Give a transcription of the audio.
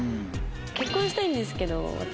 結婚したいんですけど私。